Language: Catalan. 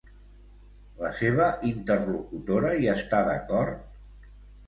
La seva interlocutora hi està d'acord?